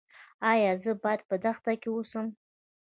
ایا زه باید په دښته کې اوسم؟